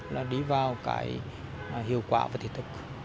là đi vào cái hiệu quả và thực thực